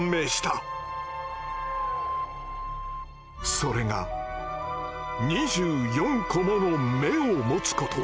それが二十四個もの眼を持つこと。